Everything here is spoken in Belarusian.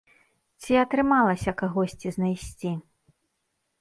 Ці атрымалася кагосьці знайсці?